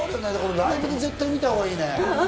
ライブで絶対に見たほうがいいね。